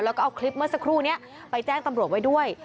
แล้วก็เอาคลิปเมื่อสักครู่นี้ไปแจ้งตำรวจไว้ด้วย